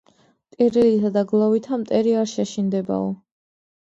ტირილითა და გლოვითა მტერი არ შეშინდებაო